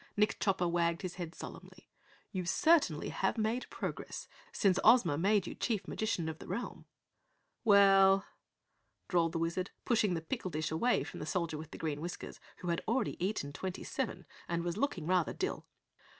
Nick Chopper wagged his head solemnly. "You certainly have made progress since Ozma made you Chief Magician of the Realm." "Well " drawled the Wizard, pushing the pickle dish away from the Soldier with Green Whiskers who already had eaten twenty seven and was looking rather dill.